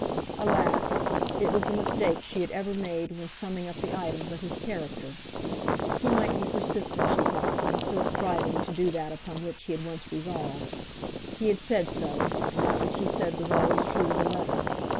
Alas! it was the mistake she had ever made when summing up the items of his character! He might be persistent, she thought, in still striving to do that upon which he had once resolved. He had said so, and that which he said was always true to the letter.